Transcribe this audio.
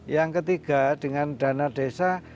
yang ketiga dengan dana desa